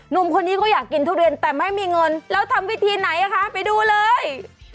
หนุ่มคนนี้ก็อยากกินทุเรียนแต่ไม่มีเงินแล้วทำวิธีไหนคะไปดูเลย